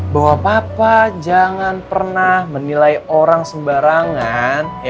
bahwa papa jangan pernah menilai orang sembarangan